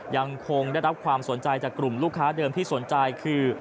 ยังคงได้รับความสนใจจากกลุ่มลูกค้าเดิมที่สนใจคือ